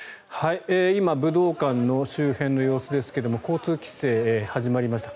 今、武道館の周辺の様子ですが交通規制が始まりました。